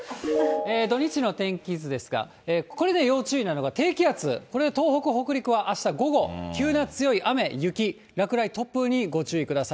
土日の天気図ですが、これで要注意なのが、低気圧、これ、東北、北陸はあした午後、急な強い雨、雪、落雷、突風にご注意ください。